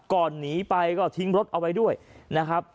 หนีไปก็ทิ้งรถเอาไว้ด้วยนะครับ